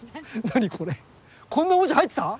何これこんなおもちゃ入ってた？